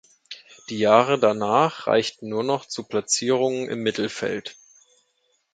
Die Jahre danach reichten nur noch zu Platzierungen im Mittelfeld.